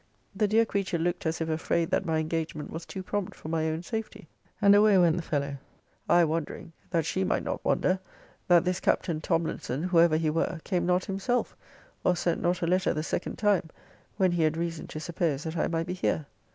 The dear creature looked as if afraid that my engagement was too prompt for my own safety; and away went the fellow I wondering, that she might not wonder, that this Captain Tomlinson, whoever he were, came not himself, or sent not a letter the second time, when he had reason to suppose that I might be here.